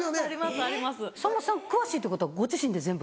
さんまさん詳しいってことはご自身で全部？